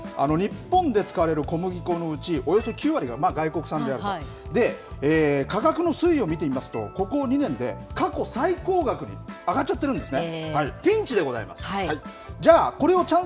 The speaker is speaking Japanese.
実はひもとくと日本で使われる小麦粉およそ９割が外国産であると価格の推移を見てみますとここ２年で過去最高額に上がっちゃっているんですね。